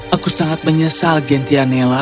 aku sangat menyesal gentienela